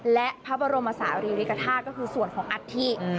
และพระบรมศาอริริกธาก็คือส่วนของอัธธิ